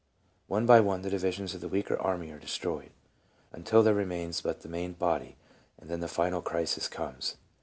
One by one the divisions of the weaker army are destroyed, until there remains but the main body, and then the final crisis comes.